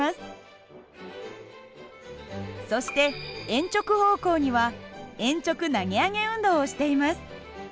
そして鉛直方向には鉛直投げ上げ運動をしています。